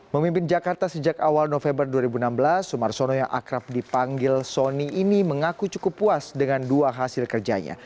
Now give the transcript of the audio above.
memimpin jakarta sejak awal november dua ribu enam belas sumarsono yang akrab dipanggil soni ini mengaku cukup puas dengan dua hasil kerjanya